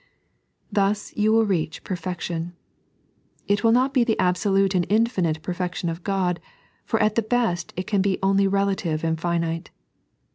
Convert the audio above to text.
Thus you will reach perfection. It will not be the abso lute and infinite perfection of God, for at the best it can be only relative and finite.